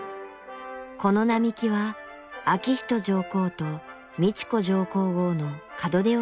この並木は明仁上皇と美智子上皇后の門出を飾った。